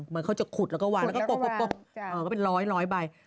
เหมือนเขาจะขุดแล้วก็วางแล้วก็เป็นร้อยใบ